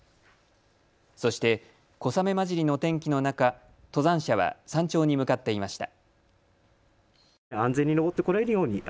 そして、小雨まじりの天気の中登山者は山頂に向かっていました。